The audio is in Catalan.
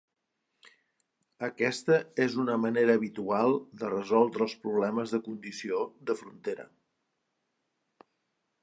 Aquesta és una manera habitual de resoldre els problemes de condició de frontera.